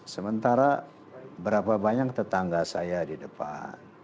sementara berapa banyak tetangga saya di depan